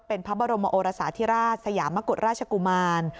เป็นพระบรมโอรสาธิราชสยามกุฎราชกุมาร